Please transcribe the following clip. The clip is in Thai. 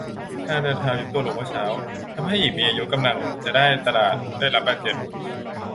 ทางเดินเท้ายุบตัวลงเมื่อเช้า ทำให้หญิงมีอายุที่กำลังจะได้ตลาดได้รับบาดเจ็บ